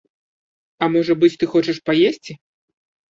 А можа быць, ты хочаш паесці?